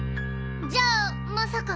じゃあまさか。